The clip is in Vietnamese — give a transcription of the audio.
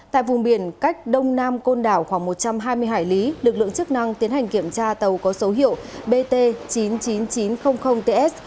tại vùng biển cách đông nam côn đảo khoảng một trăm hai mươi hải lý lực lượng chức năng tiến hành kiểm tra tàu có số hiệu bt chín mươi chín nghìn chín trăm linh ts